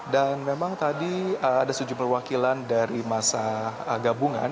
dan memang tadi ada sejumlah perwakilan dari masa gabungan